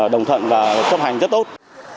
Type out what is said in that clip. đồng thuận và chấp hành rất tốt